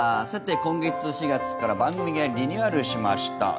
さて、今月４月から番組がリニューアルしました。